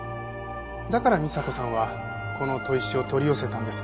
だから美沙子さんはこの砥石を取り寄せたんです。